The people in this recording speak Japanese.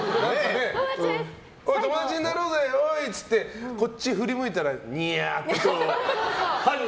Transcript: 友達になろうぜ！って言ってこっち振り向いたらニヤって。